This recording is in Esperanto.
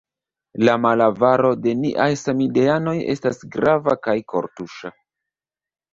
la malavaro de niaj samideanoj estas grava kaj kortuŝa.